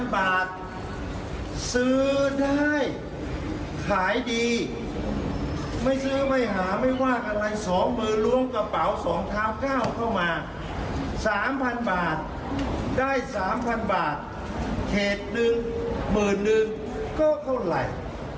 ๓๐๐๐บาทได้๓๐๐๐บาทเขตหนึ่งหมื่นหนึ่งก็เท่าไหร่